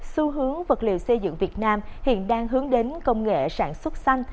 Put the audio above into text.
xu hướng vật liệu xây dựng việt nam hiện đang hướng đến công nghệ sản xuất xanh